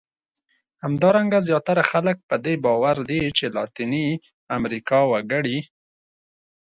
همدارنګه زیاتره خلک په دې باور دي چې لاتیني امریکا وګړي.